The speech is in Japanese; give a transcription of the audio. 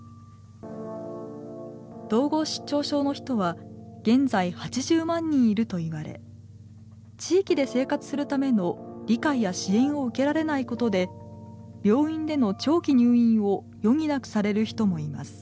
統合失調症の人は現在８０万人いると言われ地域で生活するための理解や支援を受けられないことで病院での長期入院を余儀なくされる人もいます。